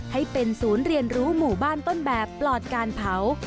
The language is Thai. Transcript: ให้เป็นศูนย์เรียนรู้หมู่บ้านต้นแบบปลอดการเผา